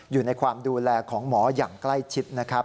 อยู่ในความดูแลของหมออย่างใกล้ชิดนะครับ